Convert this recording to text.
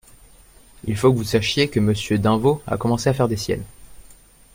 Il faut que vous sachiez que Monsieur d'Invaux a commencé à faire des siennes.